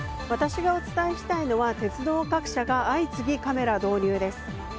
私がお伝えしたいのは鉄道各社が相次ぎカメラ導入です。